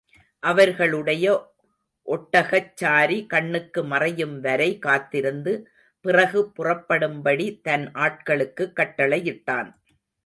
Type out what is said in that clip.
அவர்களுடைய ஒட்டகச்சாரி கண்ணுக்கு மறையும் வரை காத்திருந்து பிறகு புறப்படும்படி தன் ஆட்களுக்குக் கட்டளையிட்டான்.